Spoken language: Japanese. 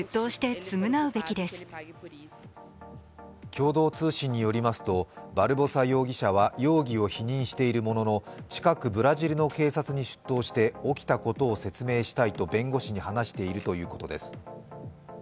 共同通信によりますと、バルボサ容疑者は容疑を否認しているものの近くブラジルの警察に出頭して起きたことを説明したいと弁護士に話しているということです